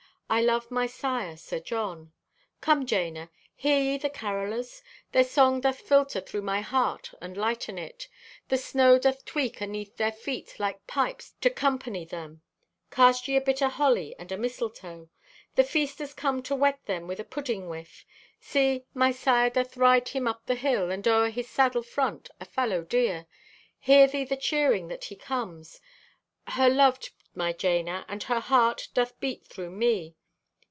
I love my sire, Sir John. "Come, Jana. Hear ye the carolers? Their song doth filter thro' my heart and lighten it. The snow doth tweak aneath their feet like pipes to 'company them. Cast ye a bit o' holly and a mistletoe. "The feasters come to whet them with a pudding whiff. See, my sire doth ride him up the hill and o'er his saddle front a fallow deer. Hear thee the cheering that he comes! Her loved, my Jana, and her heart doth beat through me!